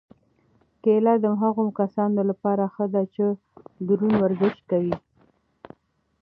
کیله د هغو کسانو لپاره ښه ده چې دروند ورزش کوي.